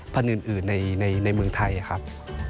พันธุ์อื่นในเมืองไทยครับ